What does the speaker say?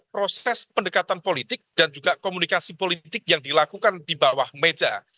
proses pendekatan politik dan juga komunikasi politik yang dilakukan di bawah meja